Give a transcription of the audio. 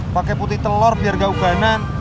pakai putih telur biar gak uganan